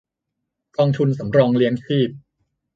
กองทุนสำรองเลี้ยงชีพ